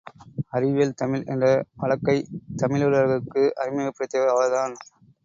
அறிவியல் தமிழ் என்ற வழக்கைத் தமிழுலகுக்கு அறிமுகப்படுத்தியவர் அவர்தான்.